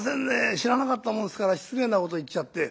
知らなかったもんですから失礼なことを言っちゃって」。